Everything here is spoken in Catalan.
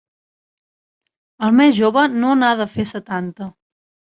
El més jove no n'ha de fer setanta.